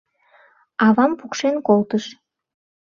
Авам пукшен колтыш.